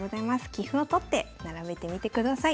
棋譜をとって並べてみてください。